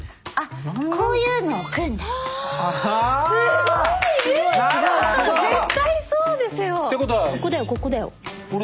絶対そうですよ！